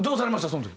その時。